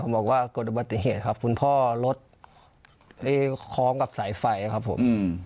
บอกว่าเกิดอุบัติเหตุครับคุณพ่อรถคล้องกับสายไฟครับผม